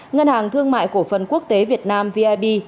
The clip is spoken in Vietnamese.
ngân hàng thương mại cổ phần quốc tế việt nam vib